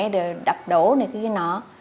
rồi đập đổ này kia nọ